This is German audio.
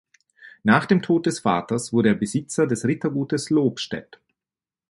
Nach dem Tod des Vaters wurde er Besitzer des Rittergutes Lobstädt.